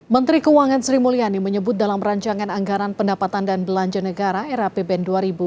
menteri keuangan sri mulyani menyebut dalam rancangan anggaran pendapatan dan belanja negara era pbn dua ribu dua puluh